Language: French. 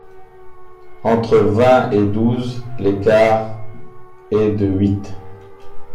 Entre vingt et douze, l’écart est de huit.